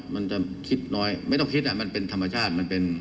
มันจะคิดน้อยไม่ต้องคิดมันเป็นธรรมชาติมันเป็น